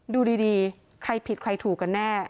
ดูดีใครผิดใครถูกกันแน่